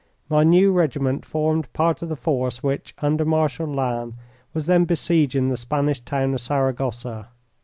My new regiment formed part of the force which, under Marshal Lannes, was then besieging the Spanish town of Saragossa.